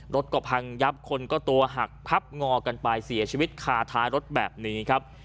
รถก็พังยับคนก็ตัวหักพับงอกันไปเสียชีวิตคาท้ายรถแบบนี้ครับ